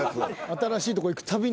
新しいとこ行くたびに。